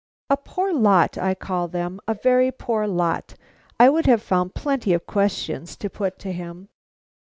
A poor lot, I call them, a very poor lot! I would have found plenty of questions to put to him.